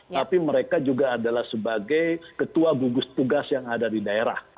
tapi mereka juga adalah sebagai ketua gugus tugas yang ada di daerah